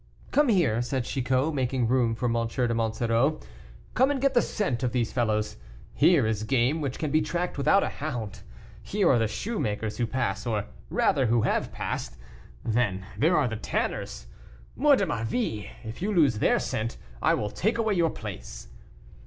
"Come here," said Chicot, making room for M. de Monsoreau, "come and get the scent of these fellows. Here is game which can be tracked without a hound. Here are the shoemakers who pass, or rather, who have passed; then here are the tanners. Mort de ma vie! if you lose their scent, I will take away your place."